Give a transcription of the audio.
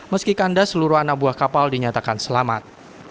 meski kandas seluruh anak buah kapal dinyatakan selamat